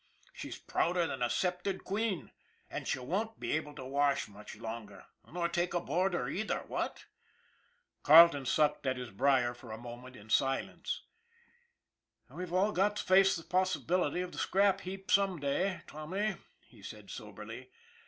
She's prouder than a sceptered queen and she won't be able to wash much longer, nor take a boarder either, what ?" Carleton sucked at his briar for a moment in silence. :< We've all got to face the possibility of the scrap heap some day, Tommy," he said soberly.